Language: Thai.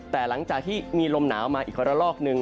แต่หลังจากที่มีลมหนาวมาอีกระลอกนึง